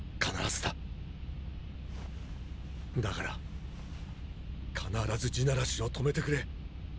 だから必ず「地鳴らし」を止めてくれ。